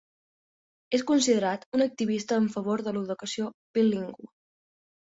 És considerat un activista en favor de l'educació bilingüe.